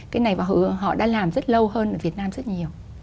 cái này và họ đã làm rất lâu hơn ở việt nam rất nhiều